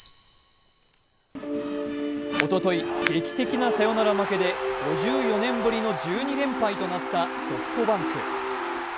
おととい、劇的なサヨナラ負けで５４年ぶりの１２連敗となったソフトバンク。